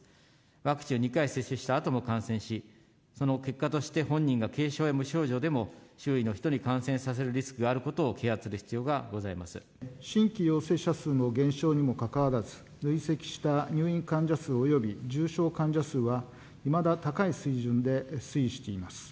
ワクチン２回接種したあとも感染し、その結果として本人が軽症や無症状でも、周囲の人に感染させるリスクがあることを啓発する必要がございま新規陽性者数の減少にもかかわらず、累積した入院患者数および重症患者数は、いまだ高い水準で推移しています。